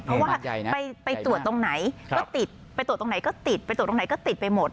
เพราะว่าไปตรวจตรงไหนก็ติดไปตรวจตรงไหนก็ติดไปตรวจตรงไหนก็ติดไปหมด